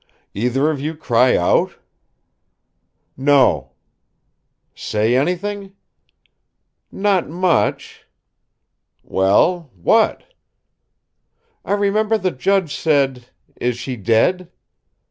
"Either of you cry out?" "No." "Say anything?" "Not much." "Well, what?" "I remember the judge said, 'Is she dead?'